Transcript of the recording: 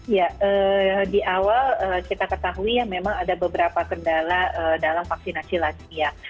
ya di awal kita ketahui ya memang ada beberapa kendala dalam vaksinasi lansia